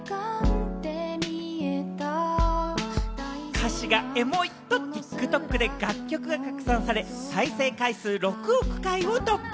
歌詞がエモいとＴｉｋＴｏｋで楽曲が拡散され、再生回数６億回を突破！